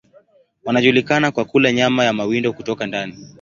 Wanajulikana kwa kula nyama ya mawindo kutoka ndani.